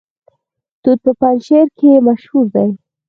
توت په پنجشیر کې مشهور دي